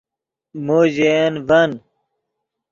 مو ژے ین ڤن